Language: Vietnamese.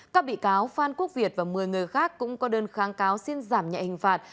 các bị cáo phan quốc việt và một mươi người khác cũng có đơn kháng cáo xin giảm nhạy hình phạt